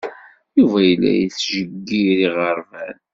Yuba yella yettjeyyir iɣerban.